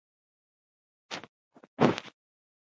فلم د سترګو ننداره ده